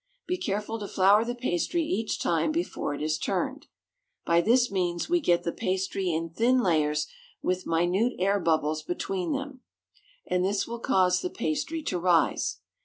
Be careful to flour the pastry each time before it is turned. By this means we get the pastry in thin layers, with minute air bubbles between them, and this will cause the pastry to rise.